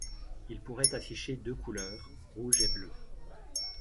Il pourrait afficher deux couleurs, rouge et bleu.